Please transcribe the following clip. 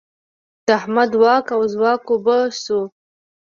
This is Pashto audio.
د احمد واک او ځواک اوبه شو.